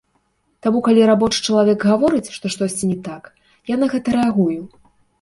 Таму калі рабочы чалавек гаворыць, што штосьці не так, я на гэта рэагую.